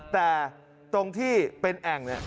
แต่ตรงที่เป็นแอ่ง